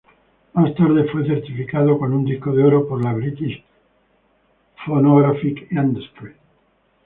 Más tarde fue certificada con un disco de oro por la British Phonographic Industry.